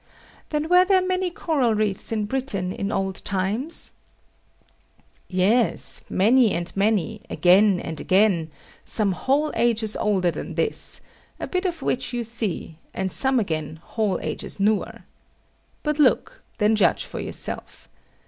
Then were there many coral reefs in Britain in old times? Yes, many and many, again and again; some whole ages older than this, a bit of which you see, and some again whole ages newer. But look: then judge for yourself.